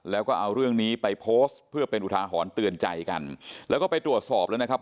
แล้วก็เอาเรื่องนี้ไปโพสต์เพื่อเป็นอุทาหรณ์เตือนใจกันแล้วก็ไปตรวจสอบแล้วนะครับ